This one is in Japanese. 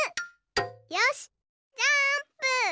よしジャーンプ！